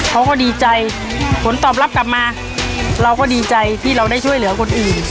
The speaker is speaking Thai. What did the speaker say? เขาก็ดีใจผลตอบรับกลับมาเราก็ดีใจที่เราได้ช่วยเหลือคนอื่น